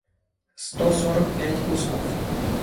сто сорок пять кусков